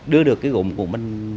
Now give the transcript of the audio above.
đưa được cái gốm của mình